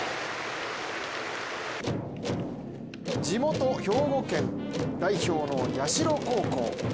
地元・兵庫県、代表の社高校。